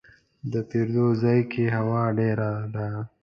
د پیرود ځای کې هوا سړه ده.